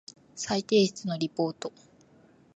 再提出のリポート